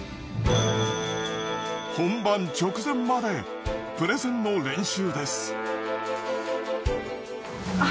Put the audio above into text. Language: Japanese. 本番直前までプレゼンの練習です。